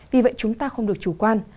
vì vậy chúng ta không được chủ quan